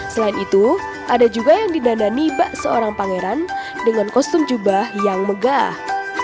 selain itu ada juga yang didandani bak seorang pangeran dengan kostum jubah yang megah